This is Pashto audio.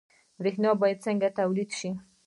برښنا باید څنګه تولید شي؟